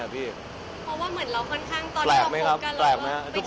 คือคนชาวอะไรอ่ะ